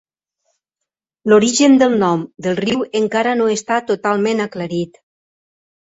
L'origen del nom del riu encara no està totalment aclarit.